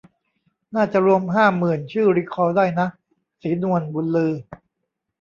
น่าจะรวมห้าหมื่นชื่อรีคอลได้นะ ศรีนวลบุญลือ